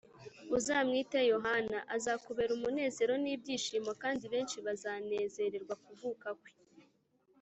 uzamwite Yohana. Azakubera umunezero n’ibyishimo, kandi benshi bazanezererwa kuvuka kwe